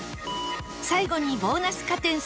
最後にボーナス加点される